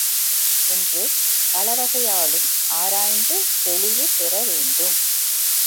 என்று பலவகையாலும் ஆராய்ந்து தெளிவு பெறவேண்டும்.